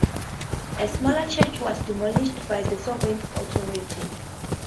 A smaller church was demolished by the Soviet authorities.